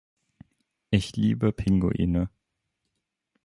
Ich liebe Pinguine.